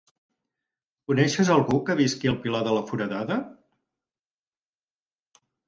Coneixes algú que visqui al Pilar de la Foradada?